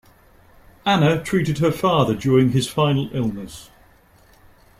Anna treated her father during his final illness.